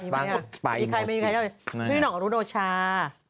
มีไหมอะมีใครพี่หน่อยกับรุดโอชา